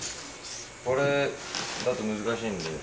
これだと難しいんで。